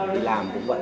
đi làm cũng vậy